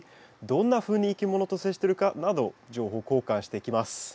どんなふうにいきものと接してるかなど情報交換していきます。